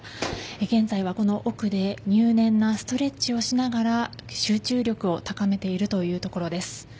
現在はこの奥で入念なストレッチをしながら集中力を高めているというところです。